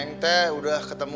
bagus itu nenek urok sudah ketemu